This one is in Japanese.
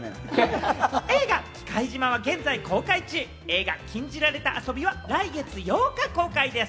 映画『忌怪島／きかいじま』は現在公開中、映画『禁じられた遊び』は来月８日公開です。